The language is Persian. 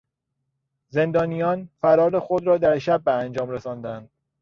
زندانیان فرار خود را در شب به انجام رساندند.